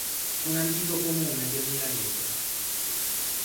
Fu un antico comune del milanese.